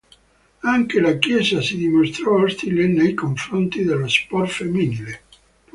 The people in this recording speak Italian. Anche la Chiesa si dimostrò ostile nei confronti dello sport femminile.